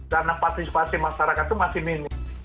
karena partisipasi masyarakat itu masih minim